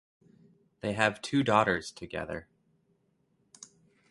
They have two daughters together.